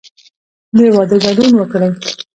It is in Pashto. د واده ګډون وکړئ